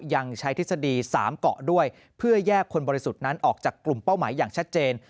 ยังใช้ทฤษฎี๓เกาะด้วยเพื่อแยกคนบริสุทธิ์นั้นออกจากกลุ่มเป้าหมายอย่างชัดเจน